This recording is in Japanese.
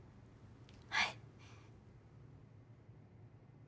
はい。